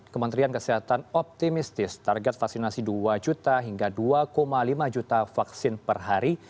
kementerian kesehatan optimistis target vaksinasi dua juta hingga dua lima juta vaksin per hari